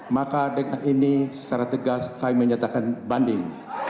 maka dengan ini secara tegas kami menyatakan banding